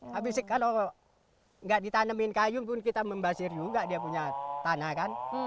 habis kalau nggak ditanemin kayu pun kita membasir juga dia punya tanah kan